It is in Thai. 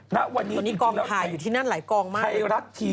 ณวันนี้กองถ่ายอยู่ที่นั่นหลายกองมาก